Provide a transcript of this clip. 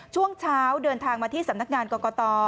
ช่วงเช้าเดินทางมาที่สำนักงานกรกต